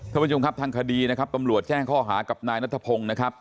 ท่านผู้ชมครับทางคดีนะครับตำรวจแจ้งข้อหากับนายนัทพงศ์นะครับ